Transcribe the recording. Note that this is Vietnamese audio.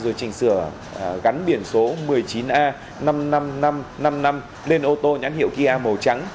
rồi trình sửa gắn biển số một mươi chín a năm mươi năm nghìn năm trăm năm mươi năm lên ô tô nhãn hiệu kia màu trắng